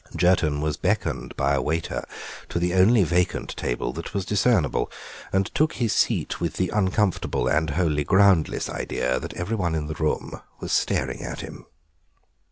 Jerton was beckoned by a waiter to the only vacant table that was discernible, and took his seat with the uncomfortable and wholly groundless idea that nearly every one in the room was staring at him.